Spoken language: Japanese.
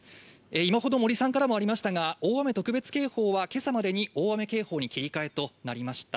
今ほど森さんからもありましたが、大雨特別警報は今朝までに大雨警報に切り替えとなりました。